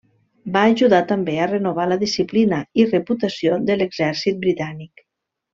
Va ajudar també a renovar la disciplina i reputació de l'Exèrcit Britànic.